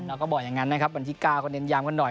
เราก็บอกอย่างนั้นนะครับวันที่เก้าประเด็นยามกันหน่อย